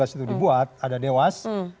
itu dibuat ada dewas